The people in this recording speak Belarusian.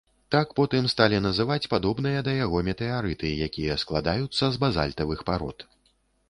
Так, потым сталі называць падобныя да яго метэарыты, якія складаюцца з базальтавых парод.